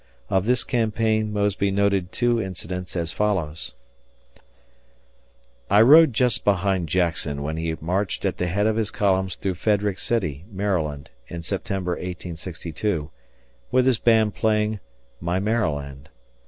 Of this campaign Mosby noted two incidents as follows: I rode just behind Jackson when he marched at the head of his columns through Frederick City, Md., in September, 1862, with his band playing "My Maryland."